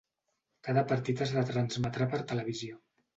Cada partit es retransmetrà per televisió.